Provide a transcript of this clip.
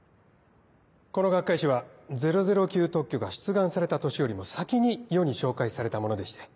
この学会誌は００９特許が出願された年よりも先に世に紹介されたものでして。